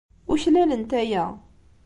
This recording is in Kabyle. Uklalent aya.